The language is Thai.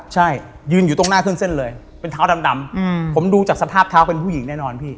ใช่ยืนอยู่ตรงหน้าเครื่องเส้นเลยเป็นเท้าดำผมดูจากสภาพเท้าเป็นผู้หญิงแน่นอนพี่